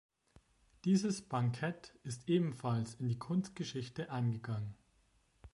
Dieses Bankett ist ebenfalls in die Kunstgeschichte eingegangen.